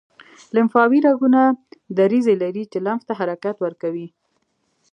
لمفاوي رګونه دریڅې لري چې لمف ته حرکت ورکوي.